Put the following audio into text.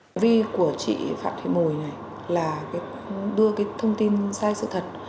hành vi của chị phạm thị mồi này là đưa cái thông tin sai sự thật